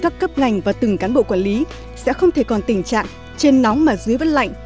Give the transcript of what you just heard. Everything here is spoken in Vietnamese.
các cấp ngành và từng cán bộ quản lý sẽ không thể còn tình trạng trên nóng mà dưới vất lạnh